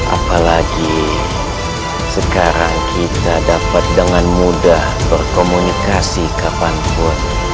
apalagi sekarang kita dapat dengan mudah berkomunikasi kapanpun